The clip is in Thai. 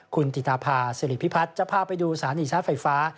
คุณติภาษิริพิพัฒน์จะพาไปดูสถานีชาร์จไฟฟ้า